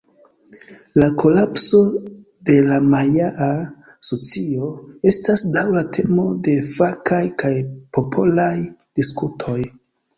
La kolapso de la majaa socio estas daŭra temo de fakaj kaj popolaj diskutoj.